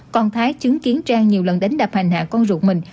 còn thái chứng kiến trang nhiều lần đánh đập hành hạ con ruột mình